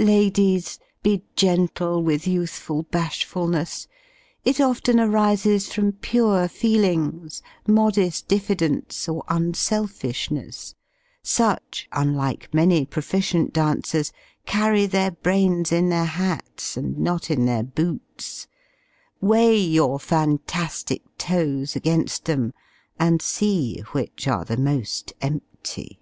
Ladies, be gentle with youthful bashfulness it often arises from pure feelings, modest diffidence, or unselfishness; such, unlike many proficient dancers, carry their brains in their hats, and not in their boots: weigh your "fantastic toes" against them, and see which are the most empty.